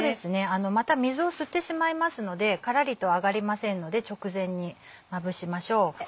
また水を吸ってしまいますのでカラリと揚がりませんので直前にまぶしましょう。